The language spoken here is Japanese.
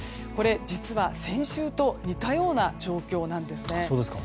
実は、先週と似たような状況なんですね。